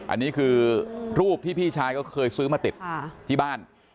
อันนี้คือรูปที่พี่ชายก็เคยซื้อมาติดที่บ้าน